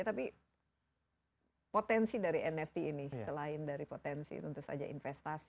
tapi potensi dari nft ini selain dari potensi tentu saja investasi